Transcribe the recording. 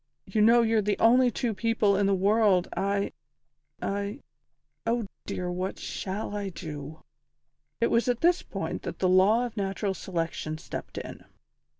You know you're the only two people in the world I I Oh dear, what shall I do!" It was at this point that the Law of Natural Selection stepped in.